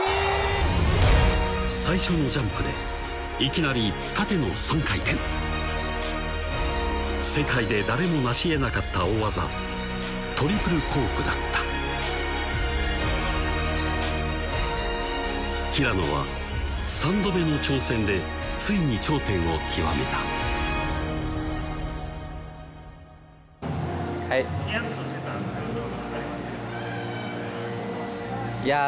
最初のジャンプでいきなり縦の３回転世界で誰もなしえなかった大技トリプルコークだった平野は３度目の挑戦でついに頂点を極めたはい？